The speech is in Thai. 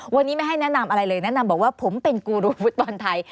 วันนี้ไม่ให้แนะนำอะไรเลยแนะนำบอกว่าผมเป็นกูรูฟุตบอลไทย